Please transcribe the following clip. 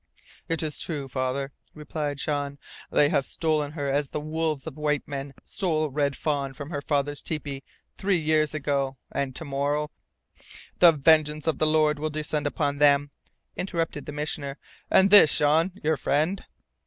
"It is true, Father," replied Jean. "They have stolen her as the wolves of white men stole Red Fawn from her father's tepee three years ago. And to morrow " "The vengeance of the Lord will descend upon them," interrupted the Missioner. "And this, Jean, your friend?"